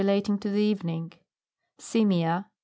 lating to the evening SIMIA.